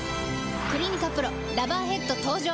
「クリニカＰＲＯラバーヘッド」登場！